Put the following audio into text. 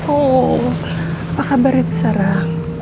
apa kabar red sarah